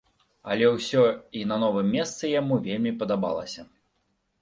Але ўсё і на новым месцы яму вельмі падабалася.